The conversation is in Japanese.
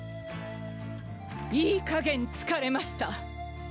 いいかげん疲れました。